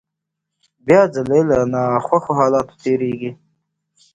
بيا ځلې له ناخوښو حالاتو تېرېږي.